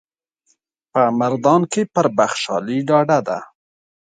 په مردان کې پر بخشالي ډاډه ده.